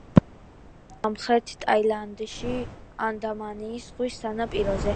მდებარეობს სამხრეთ ტაილანდში, ანდამანის ზღვის სანაპიროზე.